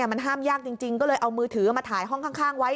มันห้ามยากจริงก็เลยเอามือถือมาถ่ายห้องข้างไว้